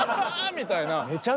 みたいな。